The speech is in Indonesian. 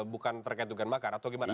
bukan terkait dugaan makar atau gimana